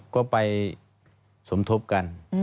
ก็ไปสมทบกัน